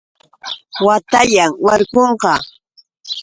Watayan. warkunqa.